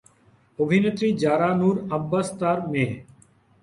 অভিনেত্রী জারা নূর আব্বাস তার মেয়ে।